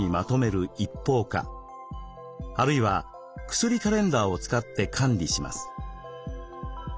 あるいは薬カレンダーを使って管理します。